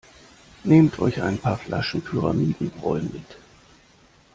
Nehmt euch ein paar Flaschen Pyramidenbräu mit!